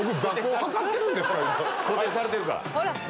固定されてるから。